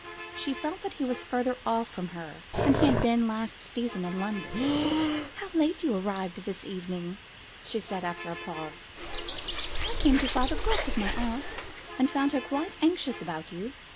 She felt that he was further off from her than he had been last season in London. "How late you arrived this evening," she said, after a pause. "I came to five o'clock with my aunt, and found her quite anxious about you.